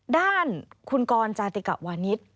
ด้านคุณกรจาติกะวานิส